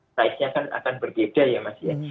strike nya kan akan berbeda ya mas ya